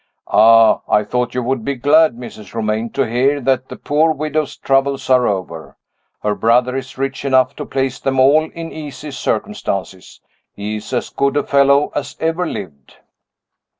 Ah, I thought you would be glad, Mrs. Romayne, to hear that the poor widow's troubles are over. Her brother is rich enough to place them all in easy circumstances he is as good a fellow as ever lived."